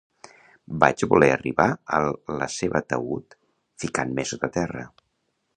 Vaig voler arribar a la seva taüt ficant-me sota terra.